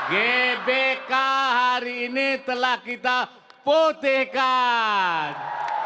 gbk hari ini telah kita putihkan